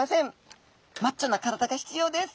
マッチョな体が必要です。